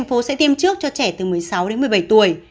tp hcm sẽ tiêm trước cho trẻ từ một mươi sáu đến một mươi bảy tuổi